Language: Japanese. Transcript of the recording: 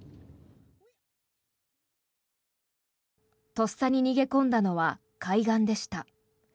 とっさに逃げ込んだのは海岸でした。